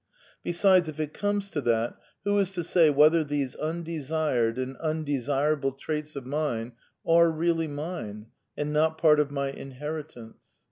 Besides, if it comes to that, who is to say whether these imdesired and undesirable traits of mine are really mine and not part of my " inheritance